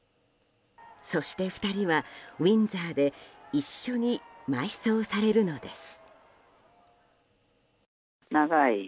そして、２人はウィンザーで一緒に埋葬されるのです。